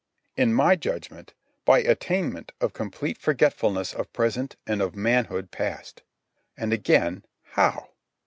In my judgment, by attainment of complete forgetfulness of present and of manhood past. And again, how?